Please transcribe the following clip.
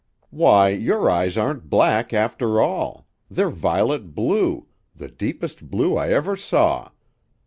"Why, your eyes aren't black, after all! They're violet blue, the deepest blue I ever saw!"